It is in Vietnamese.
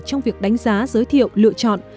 trong việc đánh giá giới thiệu lựa chọn